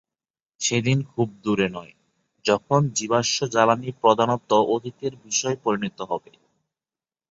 সেদিন খুব দূরে নয়, যখন জীবাশ্ম জ্বালানি প্রধানত অতীতের বিষয়ে পরিণত হবে।